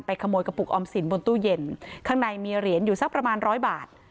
ขโมยกระปุกออมสินบนตู้เย็นข้างในมีเหรียญอยู่สักประมาณร้อยบาท